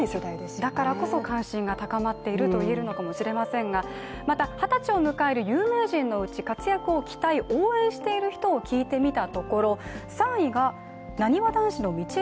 だからこそ関心が高まっていると言えるのかもしれませんがまた二十歳を迎える有名人のうち活躍を期待・応援している人を聞いてみました。